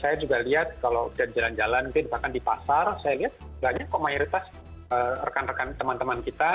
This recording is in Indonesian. saya juga lihat kalau jalan jalan bahkan di pasar saya lihat banyak komoditas rekan rekan teman teman kita